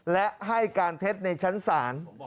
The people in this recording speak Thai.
และให้การเท็จในชั้นศาล